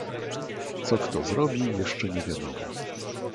"Co kto zrobi, jeszcze nie wiadomo."